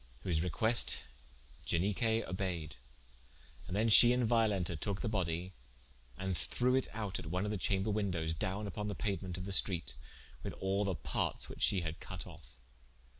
Whose request Ianique obeied: and then she and Violenta toke the body, and threwe it out at one of the chamber wyndowes down vpon the pauement of the streate, with all the partes which she had cut of.